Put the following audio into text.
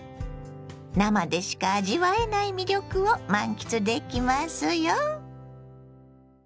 生でしか味わえない魅力を満喫できますよ。